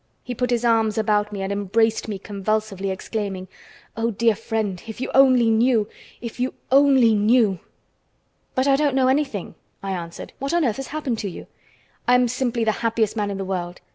He put his arms about me and embraced me convulsively, exclaiming: "Oh, dear friend, if you only knew, if you only knew!" "But I don't know anything," I answered. "What on earth has happened to you?" "I'm simply the happiest man in the world!"